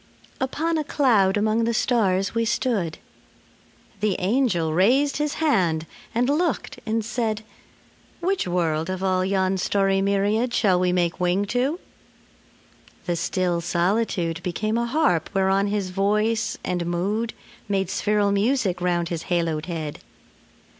Upon a cloud among the stars we stood. The angel raised his hand and looked and said, "Which world, of all yon starry myriad Shall we make wing to?" The still solitude Became a harp whereon his voice and mood Made spheral music round his haloed head.